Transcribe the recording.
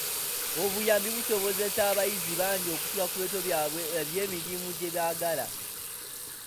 Obuyambi busobozesezza abayizi bangi okutuuka ku birooto byabwe eby'emirimu gye baagala.